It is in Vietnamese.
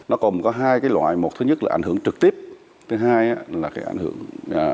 nó còn có hai loại một thứ nhất là ảnh hưởng trực tiếp thứ hai là ảnh hưởng diễn